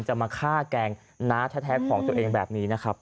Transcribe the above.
จะมาฆ่าแกล้งน้าแท้ของตัวเองแบบนี้นะครับ